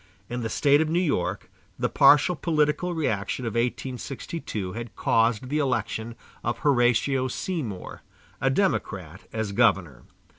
In the State of New York the partial political reaction of 1862 had caused the election of Horatio Seymour, a Democrat, as governor.